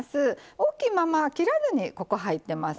大きいまま切らずに入ってます。